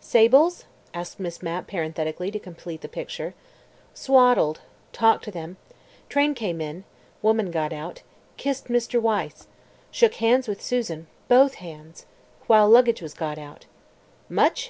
"Sables?" asked Miss Mapp parenthetically, to complete the picture. "Swaddled. Talked to them. Train came in. Woman got out. Kissed Mr. Wyse. Shook hands with Susan. Both hands. While luggage was got out." "Much?"